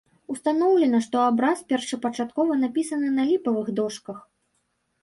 Устаноўлена, што абраз першапачаткова напісаны на ліпавых дошках.